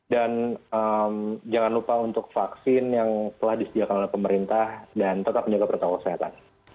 dan jangan lupa untuk vaksin yang telah disediakan oleh pemerintah dan tetap menjaga pertanggung kesehatan